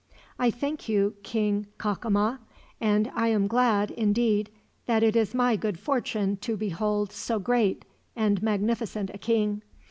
"I thank you, King Cacama, and I am glad, indeed, that it is my good fortune to behold so great and magnificent a king.